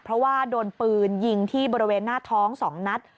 เพราะว่าโดนปืนยิงที่บริเวณหน้าท้อง๒นัด